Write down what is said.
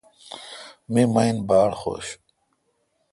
می ماین باڑ حوش